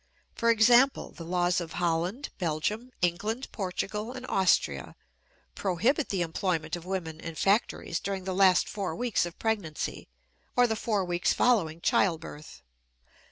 For example, the laws of Holland, Belgium, England, Portugal, and Austria prohibit the employment of women in factories during the last four weeks of pregnancy or the four weeks following childbirth.